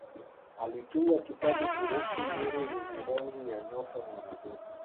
Alitunga kitabu kuhusu nuru yenye rangi ya nyota maradufu.